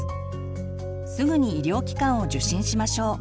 すぐに医療機関を受診しましょう。